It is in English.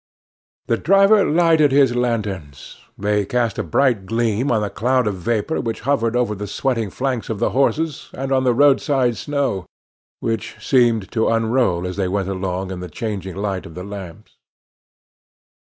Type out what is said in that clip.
The driver lighted his lanterns. They cast a bright gleam on a cloud of vapor which hovered over the sweating flanks of the horses, and on the roadside snow, which seemed to unroll as they went along in the changing light of the lamps.